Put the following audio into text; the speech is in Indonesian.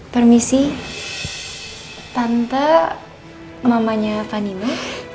permisi tante mamanya pak nino